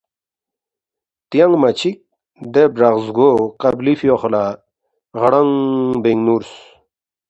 تیانگما چِک دے برق زگو قبلی فیوخ لہ غرانگ بین نُورس